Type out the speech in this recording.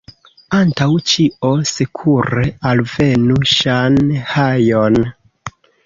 Antaŭ ĉio, sekure alvenu Ŝanhajon.